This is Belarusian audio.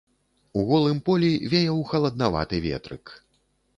У голым полі веяў халаднаваты ветрык.